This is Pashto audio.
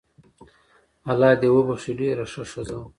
الله دي وبخښي ډیره شه ښځه وو